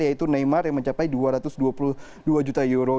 yaitu neymar yang mencapai dua ratus dua puluh dua juta euro